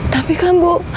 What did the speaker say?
tapi kan bu